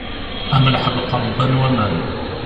Am leḥbeq ṛebban waman.